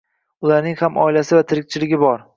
Ularning ham oilasi va tirikchiligi bor